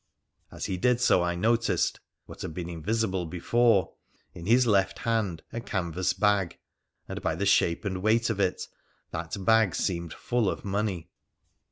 As he did so I noticed — what had been invisible before — in his left hand a canvas bag, and, by the shape and weight of it, that bag seemed full of money.